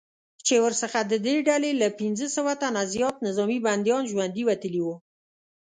چې ورڅخه ددې ډلې له پنځه سوه تنه زیات نظامي بندیان ژوندي وتلي وو